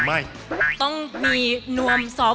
มาเยือนทินกระวีและสวัสดี